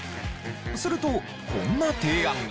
するとこんな提案が。